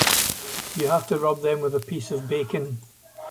You have to rub them with a piece of bacon.